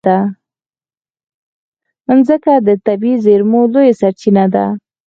مځکه د طبعي زېرمو لویه سرچینه ده.